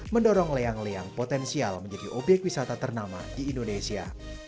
mendorong leang leang potensial menjadi obyek wisata ternama di indonesia